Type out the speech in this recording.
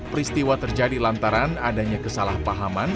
peristiwa terjadi lantaran adanya kesalahpahaman